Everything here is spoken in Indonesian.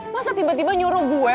masa tiba tiba nyuruh gue